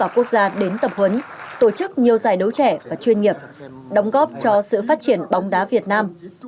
quốc gia đến tập huấn tổ chức nhiều giải đấu trẻ và chuyên nghiệp đóng góp cho sự phát triển bóng đá việt nam